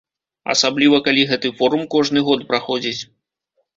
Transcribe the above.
Асабліва калі гэты форум кожны год праходзіць.